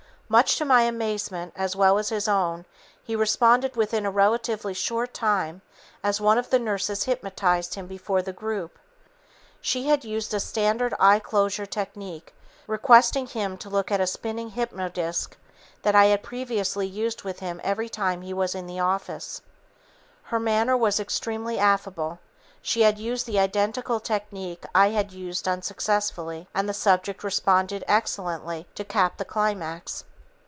Much to my amazement as well as his own, he responded within a relatively short time as one of the nurses hypnotized him before the group. She had used a standard eye closure technique, requesting him to look at a spinning hypnodisc that I had previously used with him every time he was in the office. Her manner was extremely affable, she had used the identical technique I had used unsuccessfully, and the subject responded excellently to cap the climax.